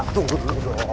tunggu dulu dong